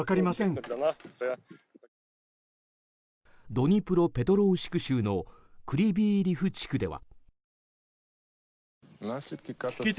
ドニプロペトロウシク州のクリビー・リフ地区では。